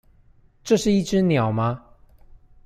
這是一隻鳥嗎？